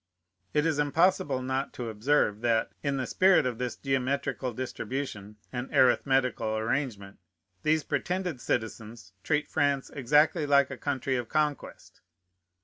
It is impossible not to observe, that, in the spirit of this geometrical distribution and arithmetical arrangement, these pretended citizens treat France exactly like a country of conquest.